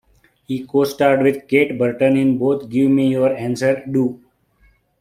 He co-starred with Kate Burton in both Give Me Your Answer, Do!